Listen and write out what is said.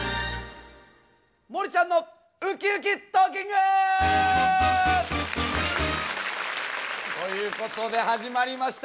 「もりちゃんのウキウキトーキング」！ということで始まりました